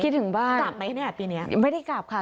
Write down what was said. คิดถึงบ้านจะกลับไหมแน่นี่ปีนี้ค่ะไม่ได้กลับค่ะ